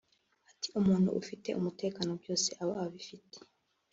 ati ”Umuntu ufite umutekano byose aba abifite